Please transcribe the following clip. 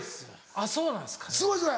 あっそうなんですか？